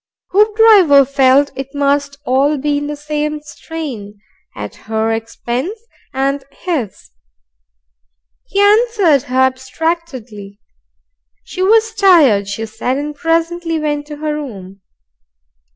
Hoopdriver felt it must all be in the same strain, at her expense and his. He answered her abstractedly. She was tired, she said, and presently went to her room.